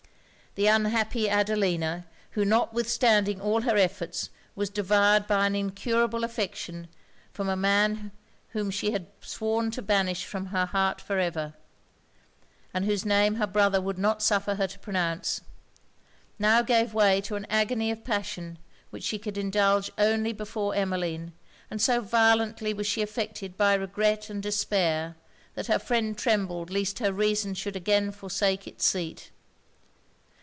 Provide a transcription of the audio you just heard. The unhappy Adelina, who notwithstanding all her efforts, was devoured by an incurable affection for a man whom she had sworn to banish from her heart for ever, and whose name her brother would not suffer her to pronounce, now gave way to an agony of passion which she could indulge only before Emmeline; and so violently was she affected by regret and despair, that her friend trembled least her reason should again forsake it's seat.